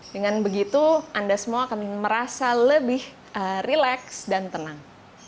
dengan begitu anda semua akan merasa lebih rileks dan tenang